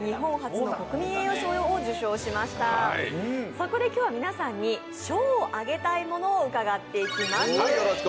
そこで今日は皆さんに、賞をあげたいものを伺っていきます。